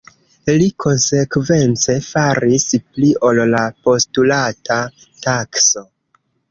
Li konsekvence faris pli ol la postulata takso.